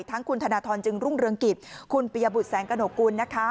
ทั้งคุณธนทรจึงรุ่งเรืองกิจคุณปิยบุตรแสงกระหนกกุลนะคะ